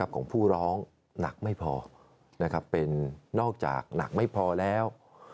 ของผู้ร้องหนักไม่พอเป็นนอกจากหนักไม่พอแล้ว